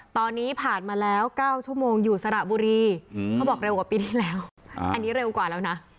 ตอนนี้ผ่านมาแล้ว๙ชั่วโมงอยู่สระบุรีเขาบอกเร็วกว่าปีที่แล้วอันนี้เร็วกว่าแล้วนะ